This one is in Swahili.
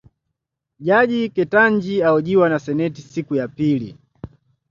Jaji Ketanji ahojiwa na seneti siku ya pili